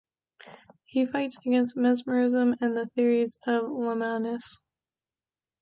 He fights against mesmerism and the theories of Lamennais.